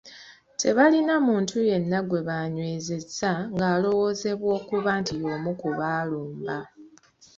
Tebalina muntu yenna gwe banywezezza ng’alowoozebwa okuba nti y’omu ku baalumba.